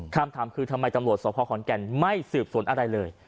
คำถามคือทำไมตำรวจสภขอนแก่นไม่สืบสวนอะไรเลย